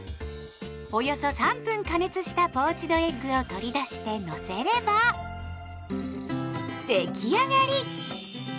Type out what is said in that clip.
およそ３分加熱したポーチドエッグを取り出してのせれば出来上がり。